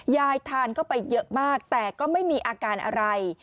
ยายทานเข้าไปเยอะมากแต่ก็ไม่มีอาการอะไร